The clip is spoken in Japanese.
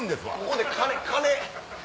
ここで金金。